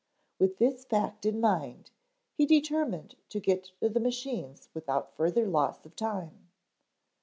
With this fact in mind, he determined to get to the machine without further loss of time.